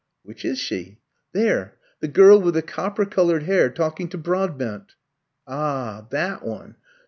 "Which is she?" "There, the girl with the copper coloured hair, talking to Broadbent." "Ah, that one.